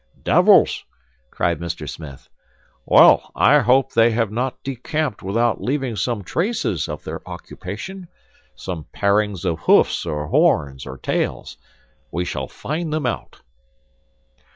"Devils!" cried Mr. Smith. "Well, I hope they have not decamped without leaving some traces of their occupation, some parings of hoofs or horns or tails. We shall find them out."